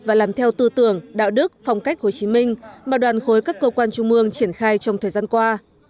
và làm theo tư tưởng đạo đức phong cách hồ chí minh mà đoàn khối các cơ quan trung mương triển khai trong thời gian qua